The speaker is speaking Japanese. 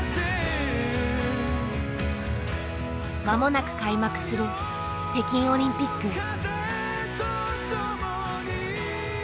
間もなく開幕する北京オリンピック。